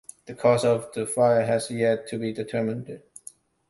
The cause of the fire has yet to be determined.